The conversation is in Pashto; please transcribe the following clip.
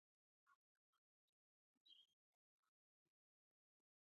مخکې لور ته تکیه شوي وي.